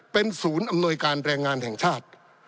เป็นศูนย์อำนวยการแรงงานแห่งชาติ